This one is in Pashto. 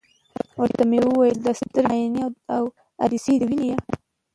ورته ومي ویل: د سترګي عینیې او عدسیې دي وینې ؟